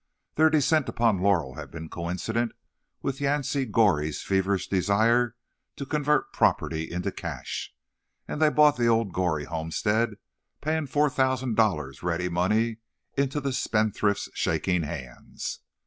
Their descent upon Laurel had been coincident with Yancey Goree's feverish desire to convert property into cash, and they bought the old Goree homestead, paying four thousand dollars ready money into the spendthrift's shaking hands.